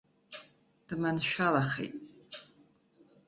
Дманшәалахеит!